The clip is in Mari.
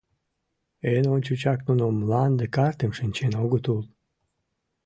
Эн ончычак нуно мланде картым шинчен огыт ул.